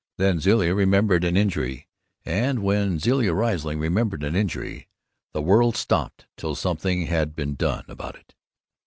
then Zilla remembered an injury; and when Zilla Riesling remembered an injury the world stopped till something had been done about it.